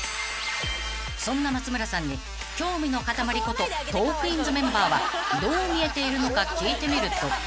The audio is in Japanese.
［そんな松村さんに興味のかたまりことトークィーンズメンバーはどう見えているのか聞いてみると］